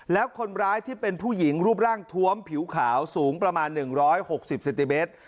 แล้วคนร้ายที่เป็นผู้หญิงรูปร่างทวมผิวขาวสูงประมาณหนึ่งร้อยหกสิบสิบเมตร